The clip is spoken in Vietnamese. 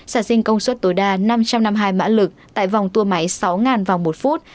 sản sinh công suất tối đa năm trăm năm mươi hai mã lực tại vòng tua máy sáu vòng một phút